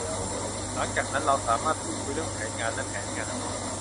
หลังจากนั้นเราสามารถพูดคุยเรื่องแผนงานและแผนงาน